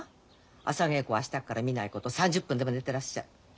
朝稽古は明日っから見ないこと３０分でも寝てらっしゃい。